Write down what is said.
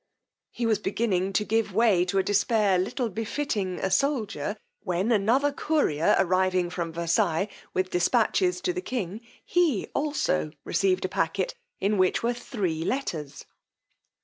He was beginning to give way to a despair little befitting a soldier, when another courier arriving from Versailles with dispatches to the king, he also received a packet, in which were three letters.